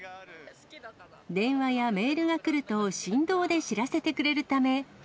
電話やメールが来ると、振動で知らせてくれるため。